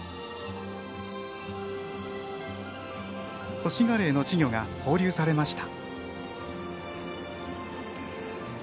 ホシガレイの稚魚が放流されました。